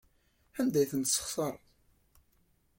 Anda ay ten-tesxeṣreḍ?